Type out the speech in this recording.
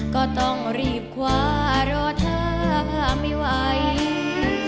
ก็ต้องรีบคว้ารอถ้าไม่ไหว